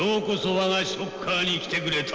我がショッカーに来てくれた」。